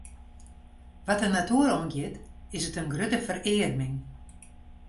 Wat de natoer oangiet, is it in grutte ferearming.